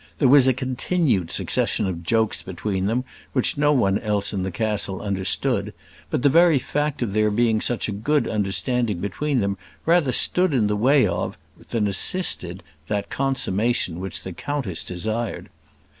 There was a continued succession of jokes between them, which no one else in the castle understood; but the very fact of there being such a good understanding between them rather stood in the way of, than assisted, that consummation which the countess desired.